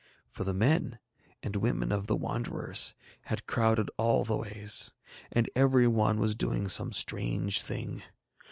For the men and women of the Wanderers had crowded all the ways, and every one was doing some strange thing.